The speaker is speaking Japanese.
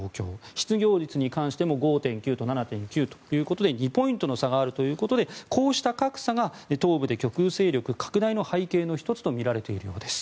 失業率に関しても５．９と７．９ということで２ポイントの差があるということでこうした格差が東部で極右勢力拡大の背景の１つとみられているんです。